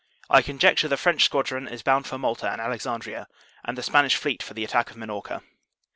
I conjecture, the French squadron is bound for Malta and Alexandria, and the Spanish fleet for the attack of Minorca."